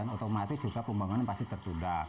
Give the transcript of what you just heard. otomatis juga pembangunan pasti tertunda